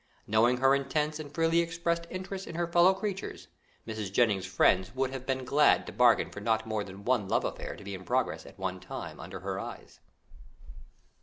Knowing her intense and freely expressed interest in her fellow creatures, Mrs. Jennings's friends would have been glad to bargain for not more than one love affair to be in progress at one time under her eyes!